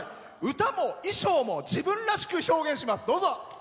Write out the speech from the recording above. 歌も衣装も自分らしく表現します。